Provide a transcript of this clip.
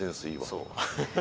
そう。